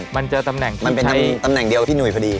มันเป็นตำแหน่งเดียวกับพี่หนุ่ยพอดี